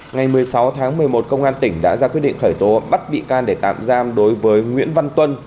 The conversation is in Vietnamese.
ngày một mươi sáu một mươi một công an tỉnh lạng sơn đã ra quyết định khởi tố bắt bị can để tạm giam đối với nguyễn văn tuân